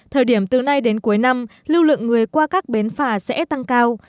thời điểm từ nay đến cuối năm lưu lượng người qua các bến phà sẽ tăng cao